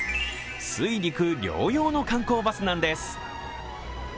水陸両用の観光バスなんです。